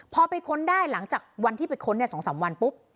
พอไปค้นได้หลังจากวันที่ไปค้นเนี่ยสองสามวันปุ๊บ